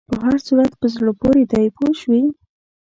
په هر صورت په زړه پورې دی پوه شوې!.